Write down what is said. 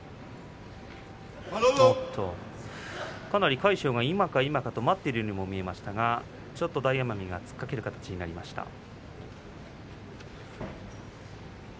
かなり魁勝が今か今かと待っているようにも見えましたがちょっと大奄美が突っかけるような形になりました。